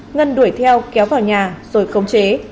ngân đuổi theo kéo vào nhà rồi công chế